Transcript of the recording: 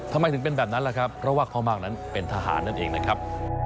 ทำไมถึงเป็นแบบนั้นล่ะครับเพราะว่าพ่อมากนั้นเป็นทหารนั่นเองนะครับ